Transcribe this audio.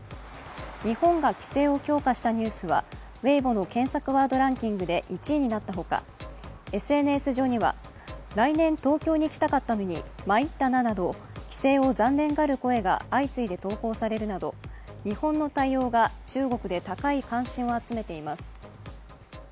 日本が規制を強化したニュースは、Ｗｅｉｂｏの検索ワードランキングで１位になったほか、ＳＮＳ上には、来年、東京に行きたかったのにまいったななど、規制を残念がる声が相次いで投稿されるなど日本の対応が中国で高い関心を集めています。